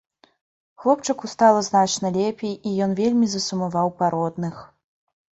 Хлопчыку стала значна лепей і ён вельмі засумаваў па родных.